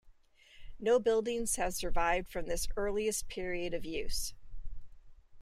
No buildings have survived from this earliest period of use.